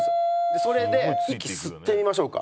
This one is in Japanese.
それで息吸ってみましょうか。